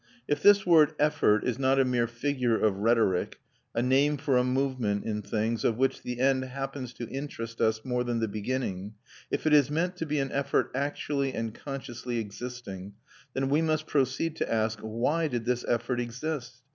If this word "effort" is not a mere figure of rhetoric, a name for a movement in things of which the end happens to interest us more than the beginning, if it is meant to be an effort actually and consciously existing, then we must proceed to ask: Why did this effort exist?